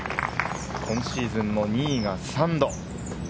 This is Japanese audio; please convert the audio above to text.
今シーズンの２位が３度。